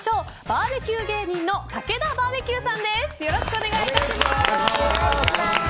バーベキュー芸人のたけだバーベキューさんです。